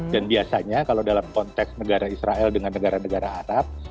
biasanya kalau dalam konteks negara israel dengan negara negara arab